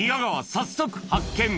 早速発見